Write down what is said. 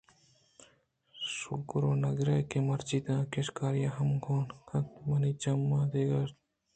شُگر نہ گِرئے کہ مرچی دانگے شکاری ہم گوٛہ نہ کنتءُ نہ منی چمّاں دگہ چشیں تُرسءُ بیمے اَست ؟